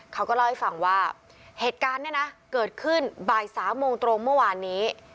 เขาก็เล่าให้ฟังว่าเหตุการณ์เนี่ยนะเกิดขึ้นบ่าย๓โมงตรงเมื่อวานนี้